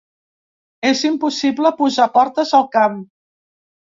És impossible posar portes al camp.